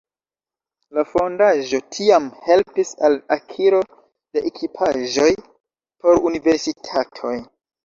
La fondaĵo tiam helpis al akiro de ekipaĵoj por universitatoj.